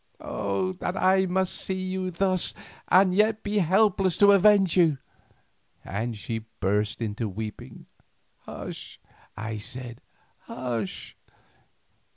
Oh! that I must see you thus and yet be helpless to avenge you," and she burst into weeping. "Hush," I said, "hush.